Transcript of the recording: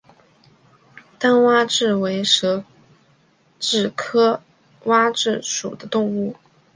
单蛙蛭为舌蛭科蛙蛭属的动物。